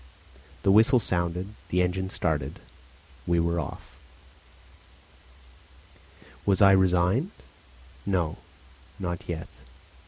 The whistle sounded, the engine started, we were off. Was I resigned? No, not yet.